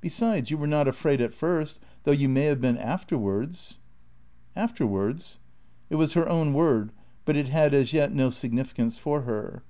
Besides, you were not afraid at first, though you may have been afterwards." "Afterwards?" It was her own word, but it had as yet no significance for her.